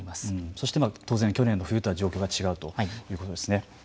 そして当然去年の冬とは状況が違うということですね。